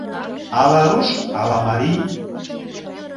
Ала руш, ала марий...